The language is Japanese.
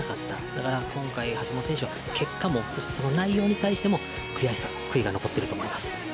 だから今回、橋本選手は結果も、そして内容に対しても悔しさ、悔いが残っていると思います。